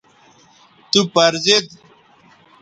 تو پر زید